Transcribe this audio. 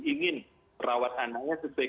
ingin merawat anaknya sesuai